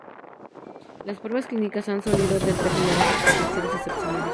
Las pruebas clínicas han solido determinar efectos nocivos excepcionales.